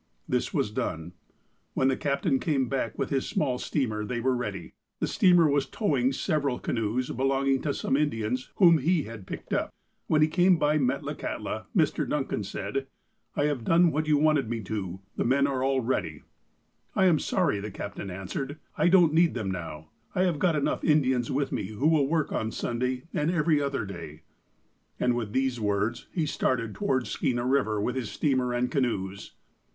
This was done. When the captain came back with his small steamer, they were ready. The steamer was towing several canoes, belonging to some Indians, whom he had picked up. WTien he came by Metlakahtla, Mr. Duncan said :" I have done what you wanted me to ;— the men are all ready." "I am sorry," the captain answered. "I don't need them now, I have got enough Indians with me who will work on Sunday, and every other day." And, with these words, he started towards Skeena River with his steamer and canoes.